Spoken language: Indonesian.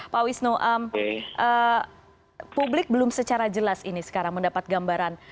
pak wisnu publik belum secara jelas ini sekarang mendapat gambaran